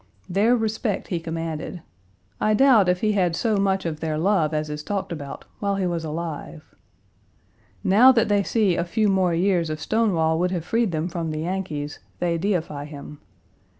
Their respect he commanded. I doubt if he had so much of their love as is talked about while he was alive. Now, that they see a few more years of Stonewall would have freed them from the Yankees, they deify him.